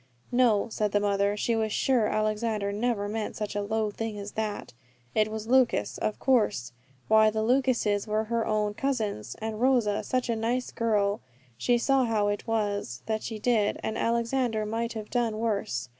No, said the mother, she was sure Alexander never meant such a low thing as that, it was "Lucas" of course; why the Lucases were her own cousins, and Rosa such a nice girl, she saw how it was, that she did, and Alexander might have done worse.